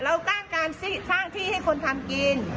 เราสร้างการสร้างที่ให้คนทำกิน